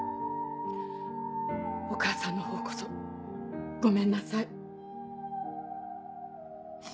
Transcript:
お母さんのほうこそごめんなさい。